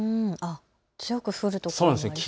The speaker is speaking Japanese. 強く降る所もありそうですね。